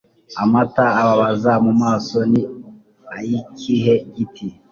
Amata ababaza mu maso ni ayikihe giti